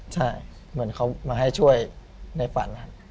ใช่เหมือนเขามาให้ช่วยในฝัน